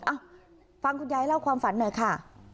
เอ้าฟังคุณยายเล่าความฝันหน่อยค่ะ